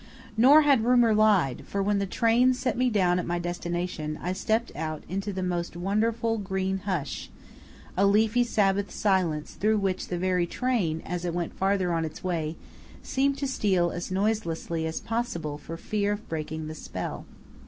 Nor had rumor lied, for when the train set me down at my destination I stepped out into the most wonderful green hush, a leafy Sabbath silence through which the very train, as it went farther on its way, seemed to steal as noiselessly as possible for fear of breaking the spell.